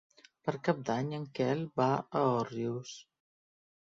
Per Cap d'Any en Quel va a Òrrius.